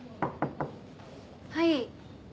はい。